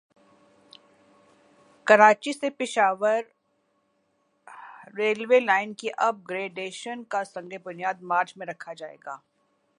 کراچی سے Peshawar railway line کی upgradation کا سنگ بنیاد مارچ میں رکھا جائے گا